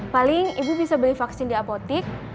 paling ibu bisa beli vaksin di apotik